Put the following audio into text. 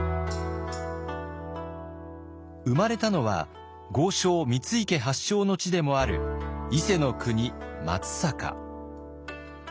生まれたのは豪商三井家発祥の地でもある伊勢の国松阪。